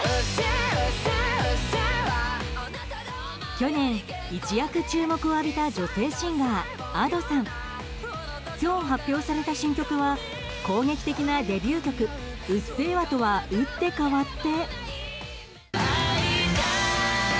去年、一躍注目を浴びた女性シンガー、Ａｄｏさん。今日発表された新曲は攻撃的なデビュー曲「うっせぇわ」とは打って変わって。